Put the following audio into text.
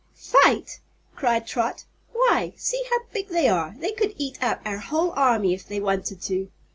"Fight!" cried Trot; "why, see how big they are. They could eat up our whole army, if they wanted to."